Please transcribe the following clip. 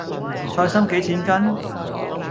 菜芯幾錢斤？